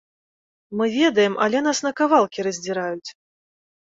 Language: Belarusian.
Мы ведаем, але нас на кавалкі раздзіраюць.